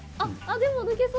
でも、抜けそう！